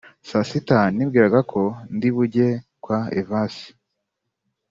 saa sita nibwiraga ko ndi bujye kwa Evase